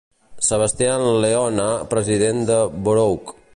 Sebastian Leone, president de Borough.